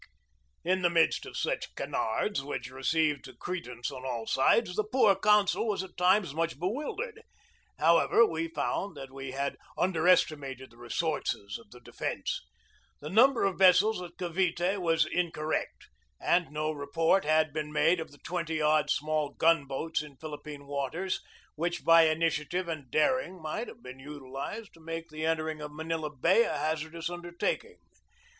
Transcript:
In the midst of such canards, which received cre dence on all sides, the poor consul was at times much bewildered. However, we found that we had under estimated the resources of the defence. The number of vessels at Cavite was incorrect, and no report had been made of the twenty odd small gun boats in Philippine waters which by initiative and daring might have been utilized to make the entering of Manila Bay a hazardous undertaking.